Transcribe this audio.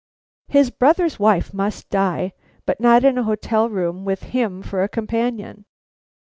His brother's wife must die, but not in a hotel room with him for a companion.